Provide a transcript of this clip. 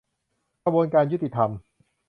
กระบวนการยุติธรรม